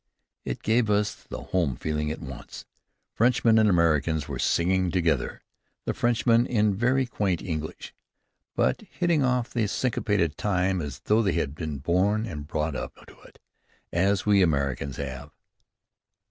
It gave us the home feeling at once. Frenchmen and Americans were singing together, the Frenchmen in very quaint English, but hitting off the syncopated time as though they had been born and brought up to it as we Americans have.